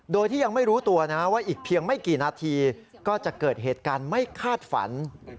โดยที่ยังไม่รู้ตัวนะว่าอีกเพียงไม่กี่นาทีก็จะเกิดเหตุการณ์ไม่คาดฝัน